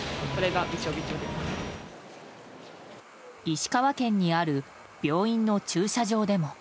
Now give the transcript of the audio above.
石川県にある病院の駐車場でも。